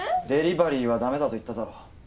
デリバリーは駄目だと言っただろ。